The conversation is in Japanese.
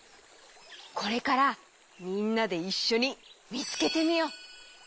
これからみんなでいっしょにみつけてみよう！